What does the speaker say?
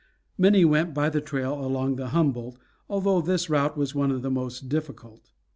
Many went by the trail along the Humboldt, although this route was one of the most difficult.